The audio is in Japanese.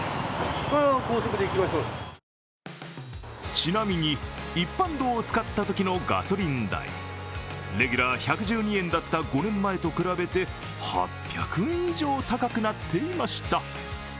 ちなみに一般道を使ったときのガソリン代、レギュラー１１２円だった５年前と比べて８００円以上高くなっていました。